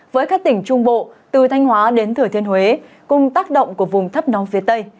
với các tỉnh trung bộ từ thanh hóa đến thừa thiên huế cùng tác động của vùng thấp nóng phía tây